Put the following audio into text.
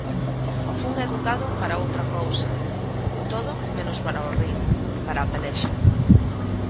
Fun educado para outra cousa, todo menos para o ring, para a pelexa.